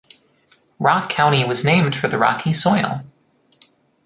Rock County was named for the rocky soil.